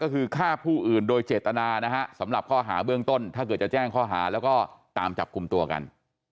ข้อหาเบื้องต้นถ้าเกิดจะแจ้งข้อหาแล้วก็ตามจับคุมตัวกัน